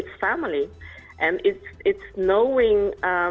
tetapi itu adalah keluarga